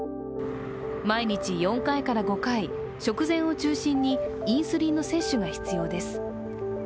毎日４回から５回、食前を中心に、インスリンの接種が必要です。